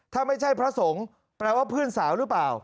ถ้าไม่ใช่พระสงฆ์แปลว่าเพื่อนสาวหรือเปล่า